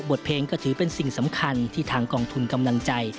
เพลงก็ถือเป็นสิ่งสำคัญที่ทางกองทุนกำลังใจ